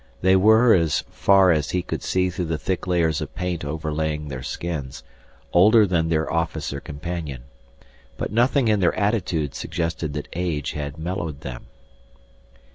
They were, as far as he could see through the thick layers of paint overlaying their skins, older than their officer companion. But nothing in their attitude suggested that age had mellowed them.